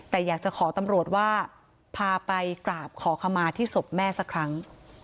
แต่อยากจะขอตำรวจว่าพาไปกราบขอขมาที่ศพแม่สักครั้ง